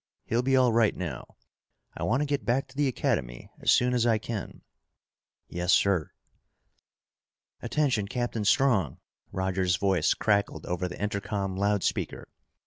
He'll be all right now. I want to get back to the Academy as soon as I can." "Yes, sir." "Attention, Captain Strong," Roger's voice crackled over the intercom loud speaker.